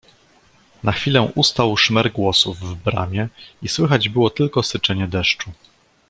"Na chwilę ustał szmer głosów w bramie i słychać było tylko syczenie deszczu."